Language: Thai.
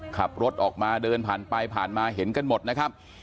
ขับรถออกมาเดินผ่านไปผ่านมาเห็นกันหมดนะครับ